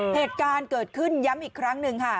เหตุการณ์เกิดขึ้นย้ำอีกครั้งหนึ่งค่ะ